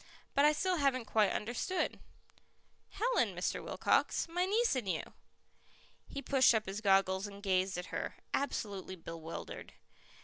"But I still haven't quite understood." "Helen, Mr. Wilcox my niece and you." He pushed up his goggles and gazed at her, absolutely bewildered.